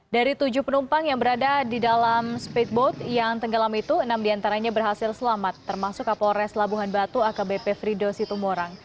dari tujuh penumpang yang berada di dalam speedboat yang tenggelam itu enam diantaranya berhasil selamat termasuk kapolres labuhan batu akbp frido situmorang